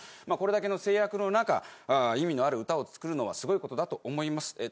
まあこれだけの制約の中意味のある歌を作るのはすごいことだと思います。